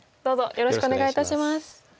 よろしくお願いします。